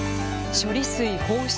処理水放出。